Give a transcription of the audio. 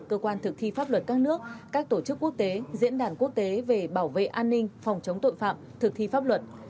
cơ quan thực thi pháp luật các nước các tổ chức quốc tế diễn đàn quốc tế về bảo vệ an ninh phòng chống tội phạm thực thi pháp luật